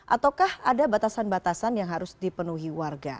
ataukah ada batasan batasan yang harus dipenuhi warga